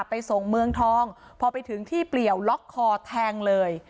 ไปส่งเมืองทองพอไปถึงที่เปลี่ยวล็อกคอแทงเลย